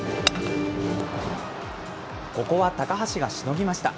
ここは高橋がしのぎました。